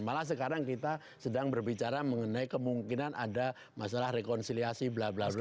malah sekarang kita sedang berbicara mengenai kemungkinan ada masalah rekonsiliasi bla bla bla